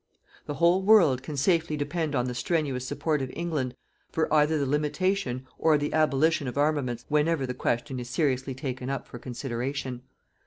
The whole world can safely depend on the strenuous support of England for either the limitation or the abolition of armaments whenever the question is seriously taken up for consideration.